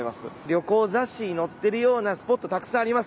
旅行雑誌に載ってるようなスポットたくさんあります。